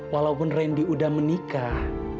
walaupun randy udah menikah